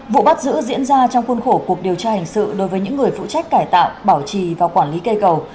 vụ bắt giữ diễn ra trong khuôn khổ cuộc điều tra hình sự đối với những người phụ trách cải tạo bảo trì và quản lý cây cầu